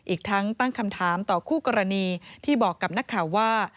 อีกทั้งตั้งคำถามต่อคู่กรณีที่บอกกับนักข่าวว่า